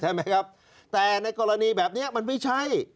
ใช่ไหมครับแต่ในกรณีแบบนี้มันไม่ใช่